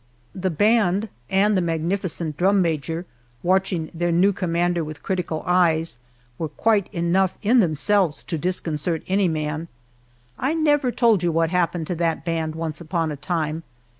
The band and the magnificent drum major, watching their new commander with critical eyes, were quite enough in themselves to disconcert any man. I never told you what happened to that band once upon a time!